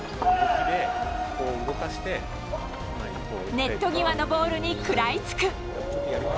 ネットぎわのボールに食らいつく。